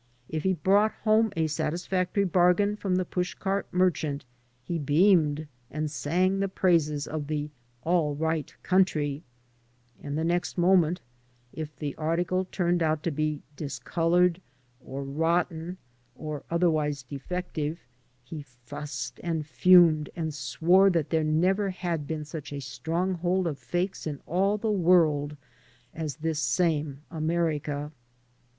If he brought home a satisfactory bargain from the pushcart merchant he beamed and sang the praises of the "all right country,'* and the next moment if the article turned out to be discolored or rotten or otherwise defective he fussed and fumed and swore that there never had been such a stronghold of fakes in all the world as this same America.